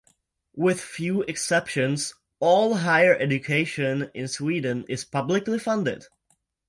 With few exceptions, all higher education in Sweden is publicly funded.